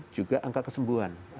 juga angka kesembuhan